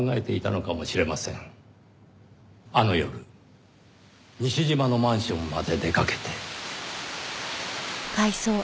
あの夜西島のマンションまで出かけて。